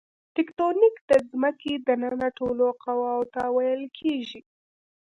تکتونیک د ځمکې دننه ټولو قواوو ته ویل کیږي.